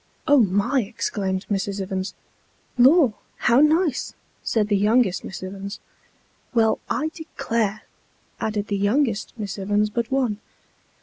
" my !" exclaimed Mrs. Ivins. " Lor ! how nice !" said the youngest Miss Ivins. " Well, I declare !" added the youngest Miss Ivins but one.